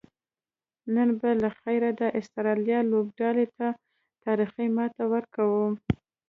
نن به لخیره د آسترالیا لوبډلې ته تاریخي ماته ورکوو